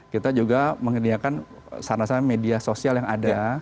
kita juga menggunakan sarana saran media sosial yang ada